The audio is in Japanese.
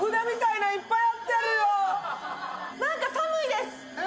なんか寒いです。